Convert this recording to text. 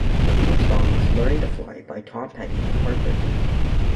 The theme song is "Learning to Fly" by Tom Petty and the Heartbreakers.